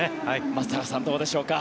松坂さんどうでしょうか。